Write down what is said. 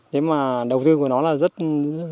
thế mà đầu tư của nó là rất thấp